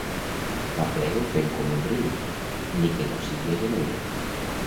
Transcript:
M'aplego fent com un riu, ni que no sigui a Janeiro.